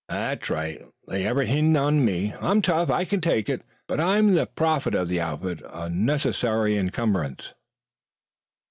"That's right. Lay everything to me. I'm tough. I can stand it. But I'm the prophet of this outfit; I'm a necessary encumbrance."